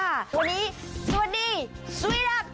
วันนี้สวัสดีสวีทอัพค่ะ